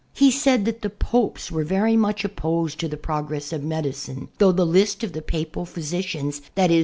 He said that the Popes were very much opposed to the progress of medicine, though the list of the Papal physicians, that is.